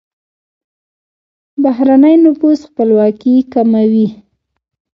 بهرنی نفوذ خپلواکي کموي.